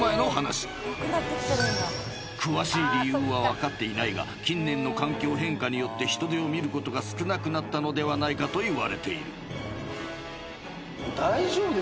［詳しい理由は分かっていないが近年の環境変化によってヒトデを見ることが少なくなったのではないかといわれている］